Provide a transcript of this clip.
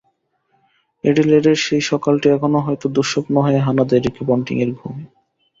অ্যাডিলেডের সেই সকালটি এখনও হয়ত দুঃস্বপ্ন হয়ে হানা দেয় রিকি পন্টিংয়ের ঘুমে।